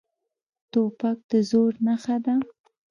توپک د زور نښه ده.